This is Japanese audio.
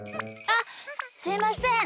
あっすいません！